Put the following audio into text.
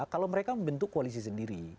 kalau mereka membentuk koalisi sendiri